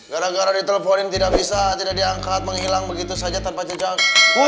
gara gara diteleporin tidak bisa tidak diangkat menghilang begitu saja tanpa jejak